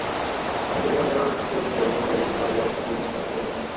অন্যদিকে মেয়র নাছিরের অনুসারীরা কলেজের বাইরে অবস্থান করলেও ক্যাম্পাসে প্রবেশ করেননি।